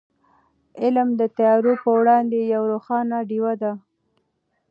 علم د تیارو په وړاندې یوه روښانه ډېوه ده.